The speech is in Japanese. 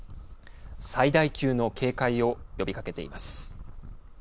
最大級の警戒を呼びかけています。